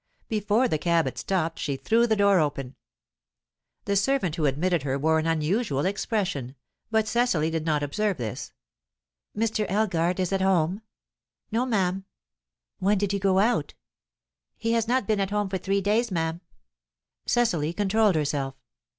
Before the cab had stopped, she threw the door open. The servant who admitted her wore an unusual expression, but Cecily did not observe this. "Mr. Elgar is at home?" "No, ma'am." "When did he go out?" "He has not been at home for three days, ma'am." Cecily controlled herself.